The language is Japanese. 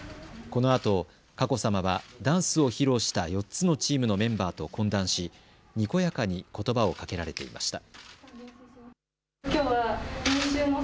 このあと佳子さまはダンスを披露した４つのチームのメンバーと懇談し、にこやかにことばをかけられていました。